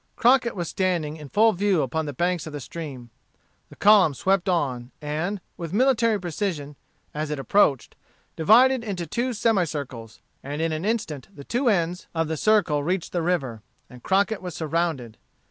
Crockett was standing in full view upon the banks of the stream. The column swept on, and, with military precision, as it approached, divided into two semicircles, and in an instant the two ends of the circle reached the river, and Crockett was surrounded.